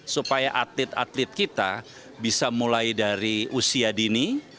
supaya atlet atlet kita bisa mulai dari usia dini